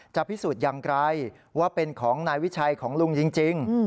จะพิสูจน์อย่างไรว่าเป็นของนายวิชัยของลุงจริง